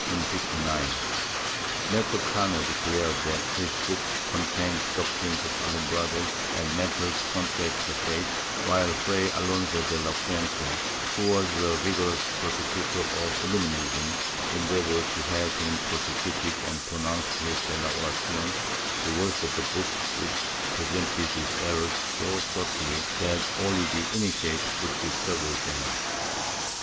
^ Melchor Cano declared that his books contained doctrines of Alumbrados and matters contrary to the faith, wliile Fray Alonso de la Fuente, who was a vigorous persecutor of illuminism, endeavored to have him prosecuted and pronounced his Dc la Oracion the worst of the books which presented these errors so subtly that only the initiated could discover them.